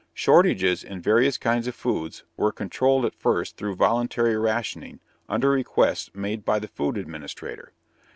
Shortages in various kinds of food were controlled at first through voluntary rationing under requests made by the Food Administrator.